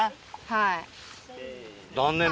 はい。